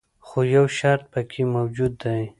خو یو شرط پکې موجود دی.